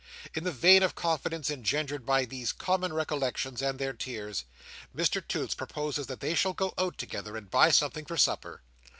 In the vein of confidence engendered by these common recollections, and their tears, Mr Toots proposes that they shall go out together, and buy something for supper.